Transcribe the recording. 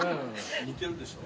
似てるでしょ？